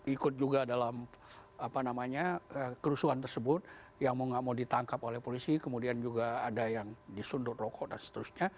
ikut juga dalam kerusuhan tersebut yang mau nggak mau ditangkap oleh polisi kemudian juga ada yang disundur rokok dan seterusnya